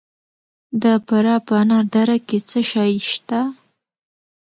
د فراه په انار دره کې څه شی شته؟